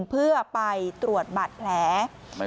เพื่อไปตรวจบัตรแหละ